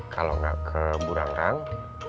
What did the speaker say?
kalau gak ke burang rang